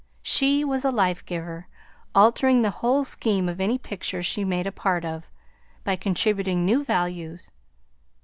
She was a lifegiver, altering the whole scheme of any picture she made a part of, by contributing new values.